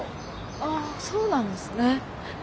ああそうなんですね。